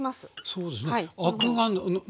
そうですね。